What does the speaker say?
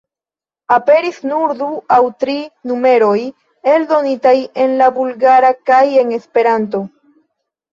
Aperis nur du aŭ tri numeroj eldonitaj en la Bulgara kaj en Esperanto.